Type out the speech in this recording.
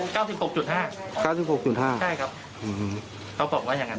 ๙๖๕เขาบอกว่าอย่างงั้นนะครับ